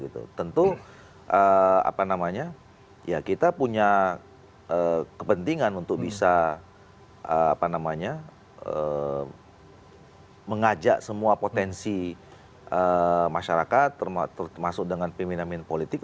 tentu kita punya kepentingan untuk bisa mengajak semua potensi masyarakat termasuk dengan pembinamin politik